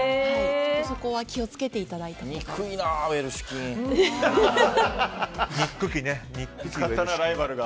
そこは気を付けていただいたほうが。